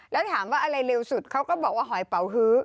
แล้วถามว่าอะไรเร็วสุดเขาก็บอกว่าหอยเป่าฮื้อ